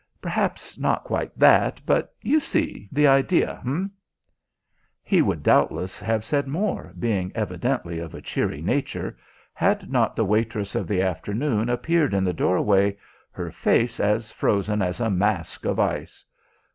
Perhaps not quite that, but you see the idea, eh?" He would doubtless have said more, being evidently of a cheery nature, had not the waitress of the afternoon appeared in the doorway, her face as frozen as a mask of ice.